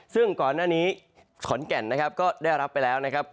ซึ่งก่อนหน้านี้ขอนแก่นนะครับก็ได้รับไปแล้วนะครับ